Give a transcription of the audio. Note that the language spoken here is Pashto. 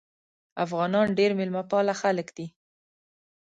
افغانان ډیر میلمه پاله خلک دي.